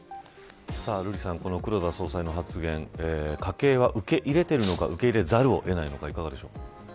瑠麗さん、この黒田総裁の発言家計は受け入れているのか受け入れざるを得ないのかいかがでしょう。